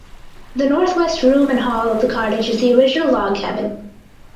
The northwest room and hall of the cottage is the original log cabin.